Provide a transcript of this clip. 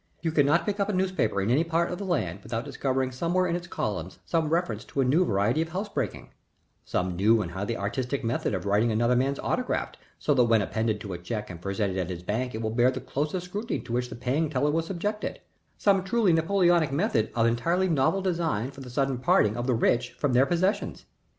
You cannot pick up a newspaper in any part of the land without discovering somewhere in its columns some reference to a new variety of house breaking, some new and highly artistic method of writing another man's autograph so that when appended to a check and presented at his bank it will bear the closest scrutiny to which the paying teller will subject it, some truly Napoleonic method of entirely novel design for the sudden parting of the rich from their possessions.